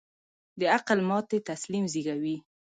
د عقل ماتې تسلیم زېږوي.